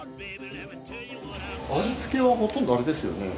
味付けはほとんどあれですよね？